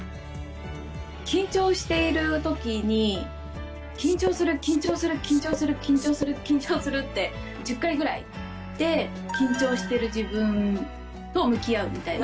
緊張しているときに、緊張する、緊張する、緊張する、緊張する、って１０回ぐらい言って、緊張している自分と向き合うみたいな。